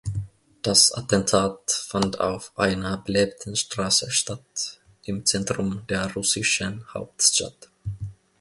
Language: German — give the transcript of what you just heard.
Das Attentat fand auf einer belebten Straße statt, im Zentrum der russischen Hauptstadt.